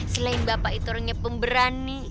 selain bapak itu orangnya pemberani